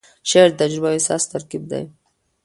شعر د تجربو او احساس ترکیب دی.